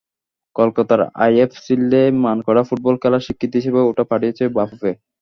কলকাতার আইএফএ শিল্ডে মনকাড়া ফুটবল খেলার স্বীকৃতি হিসেবে ওটা পাঠিয়েছে বাফুফে।